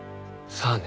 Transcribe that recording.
「さあね」